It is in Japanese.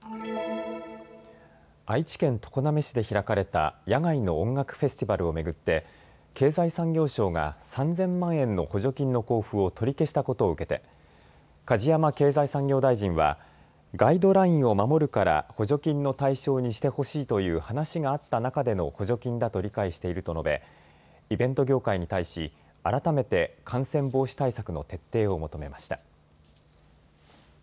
愛知県常滑市で開かれた野外の音楽フェスティバルを巡って経済産業省が３０００万円の補助金の交付を取り消したことを受けて梶山経済産業大臣はガイドラインを守るから補助金の対象にしてほしいという話があった中での補助金だと理解していると述べ、イベント業界に対し、改めて感染防止対策の徹底を求めました。